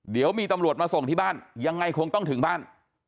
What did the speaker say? เดี๋ยวมีตำรวจมาส่งที่บ้านยังไงคงต้องถึงบ้าน